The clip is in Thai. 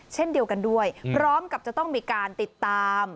เช่นเดียวกันด้วยพร้อมกับจะต้องมีการติดตาม